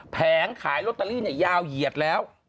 แผงขายลอตเตอรี่ยาวเหยียดแล้ว